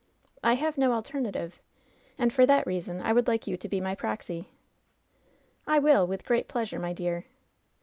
I have no alternative, and for that reason I would like you to be my proxy.'' "I will, with great pleasure, my dear.''